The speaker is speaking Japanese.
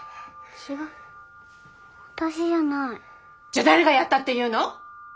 じゃあ誰がやったっていうの！